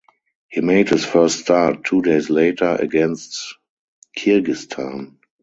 He made his first start two days later against Kyrgyzstan.